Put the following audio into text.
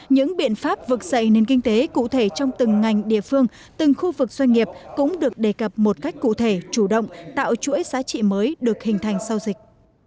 những biện pháp vực dậy nền kinh tế cụ thể trong từng ngành địa phương từng khu vực doanh nghiệp cũng được đề cập một cách cụ thể chủ động tạo chuỗi giá trị mới được hình thành sau dịch